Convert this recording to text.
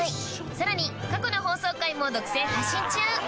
さらに過去の放送回も独占配信中！